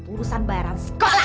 urusan bayaran sekolah